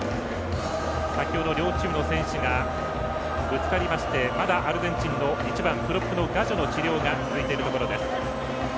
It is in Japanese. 先ほど、両チームの選手がぶつかりましてまだアルゼンチンの１番プロップのガジョの治療が続いているところです。